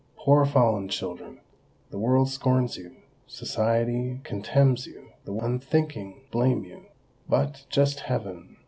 Poor fallen children! the world scorns you—society contemns you—the unthinking blame you. But, just heaven!